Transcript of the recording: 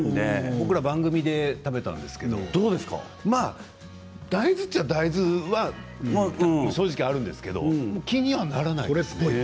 僕ら番組で食べたんですけど大豆っちゃ大豆は正直あるんですけど気にはならない。